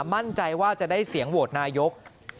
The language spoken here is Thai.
มั่นใจว่าจะได้เสียงโหวตนายก